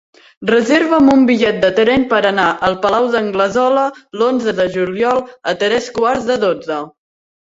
Reserva'm un bitllet de tren per anar al Palau d'Anglesola l'onze de juliol a tres quarts de dotze.